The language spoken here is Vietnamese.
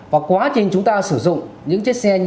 và quá trình chúng ta sử dụng những chiếc xe như